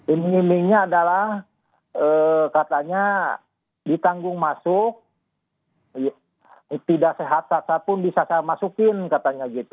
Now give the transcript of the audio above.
iming imingnya adalah katanya ditanggung masuk tidak sehat sasa pun bisa saya masukin katanya gitu